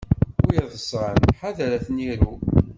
Win iḍṣan, ḥadeṛ ad ten-iru.